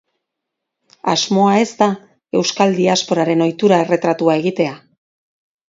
Asmoa ez da euskal diasporaren ohitura erretratua egitea.